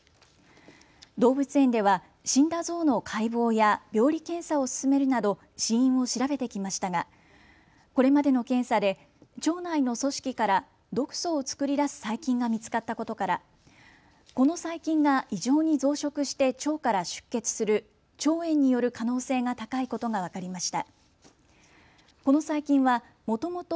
動物園では死んだゾウの解剖や病理検査を進めるなど死因を調べてきましたがこれまでの検査で腸内の組織から毒素を作り出す細菌が見つかったことからこの細菌が異常に増殖して腸から出血する腸炎による可能性が高いことが分かりました。